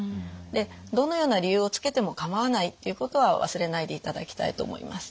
でどのような理由をつけても構わないっていうことは忘れないでいただきたいと思います。